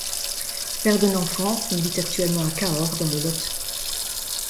Père d'un enfant, il vit actuellement à Cahors dans le Lot.